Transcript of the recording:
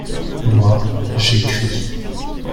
moi, j'écris.